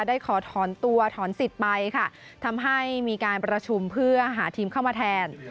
ขอถอนตัวถอนสิทธิ์ไปค่ะทำให้มีการประชุมเพื่อหาทีมเข้ามาแทน